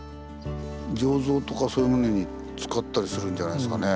そういうものに使ったりするんじゃないですかね。